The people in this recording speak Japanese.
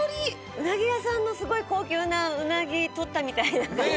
うなぎ屋さんのすごい高級なうなぎ取ったみたい。